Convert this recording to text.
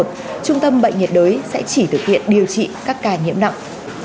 trung tâm bệnh nhiệt đới sẽ chỉ thực hiện điều trị các ca nhiễm nặng